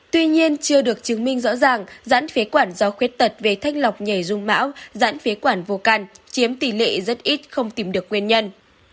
tuy nhiên chưa được chứng minh rõ ràng giãn phế quản do khuyết tật về thanh lọc nhảy dung mão giãn phế quản vô can chiếm tỷ lệ rất ít không tìm được nguyên nhân